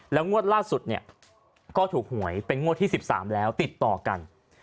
แล้วงวดล่าสุดเนี่ยก็ถูกหวยเป็นงวดที่๑๓แล้วติดต่อกัน